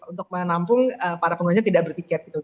untuk menampung para penggunanya tidak bertiket gitu